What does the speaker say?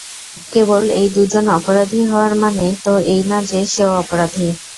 কেবল এই দুজন অপরাধী হওয়ার মানে তো এই না যে সেও অপরাধী।